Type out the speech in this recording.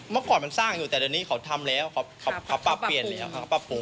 เมื่อก่อนมันสร้างอยู่แต่เดี๋ยวนี้เขาทำแล้วเขาปรับเปลี่ยน